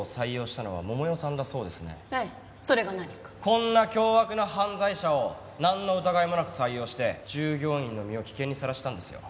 こんな凶悪な犯罪者をなんの疑いもなく採用して従業員の身を危険にさらしたんですよ。